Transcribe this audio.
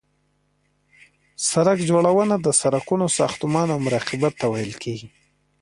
سرک جوړونه د سرکونو ساختمان او مراقبت ته ویل کیږي